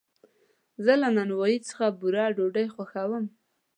زه له نانوایي څخه بوره ډوډۍ خوښوم.